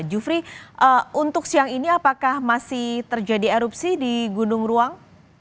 jufri untuk siang ini apakah masih terjadi erupsi di gunung ruang